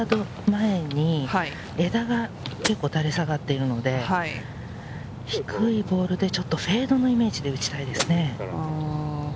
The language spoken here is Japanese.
７ヤード前に枝が結構、垂れ下がっているので、低いボールでちょっとフェード気味に打ちたいですね。